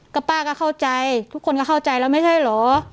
ก็ป้าก็เข้าใจทุกคนก็เข้าใจแล้วไม่ใช่เหรอ